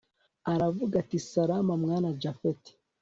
aravuga ati salama mwana japhet